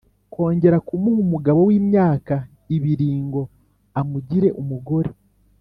kongera kumuha umugabo w’imyaka ibiringo amugire umugore,